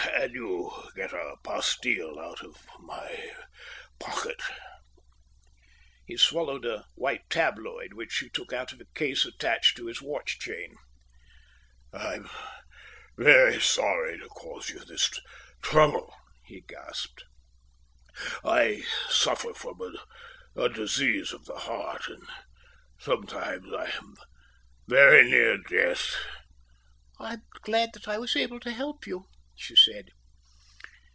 "Can you get a pastille out of my pocket?" He swallowed a white tabloid, which she took out of a case attached to his watch chain. "I'm very sorry to cause you this trouble," he gasped. "I suffer from a disease of the heart, and sometimes I am very near death." "I'm glad that I was able to help you," she said.